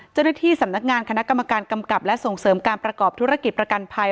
เจ้าหน้าที่สำนักงานคณะกรรมการกำกับและส่งเสริมการประกอบธุรกิจประกันภัย